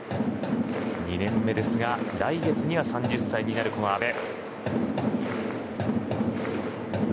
２年目ですが来月に３０歳になるこの阿部。